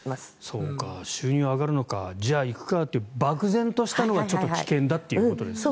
そうか、収入上がるのかじゃあ行くかというばくぜんとしたのはちょっと危険だということですね。